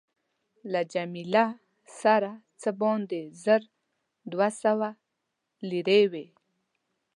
له جميله سره څه باندې زر دوه سوه لیرې وې.